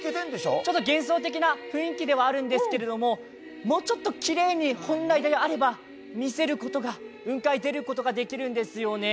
ちょっと幻想的な雰囲気ではあるんですけどもうちょっときれいに、本来であれば雲海を見せることができるんですよね。